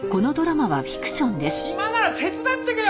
暇なら手伝っていけよ！